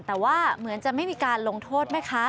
แต่ว่าเหมือนจะไม่มีการลงโทษแม่ค้า